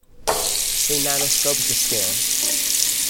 See nanoscopic scale.